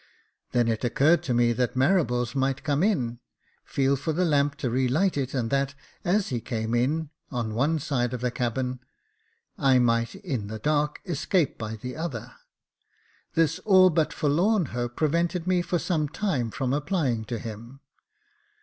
Then it occurred to me that Marables might come in, feel for the lamp to re light it, and that, as he came in on one side of the cabin, I might, in the dark, escape by the other. This all but forlorn hope prevented me for some time from applying to him.